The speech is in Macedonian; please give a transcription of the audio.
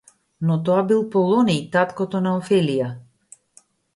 Но, тоа бил Полониј, таткото на Офелија.